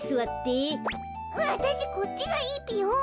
わたしこっちがいいぴよん。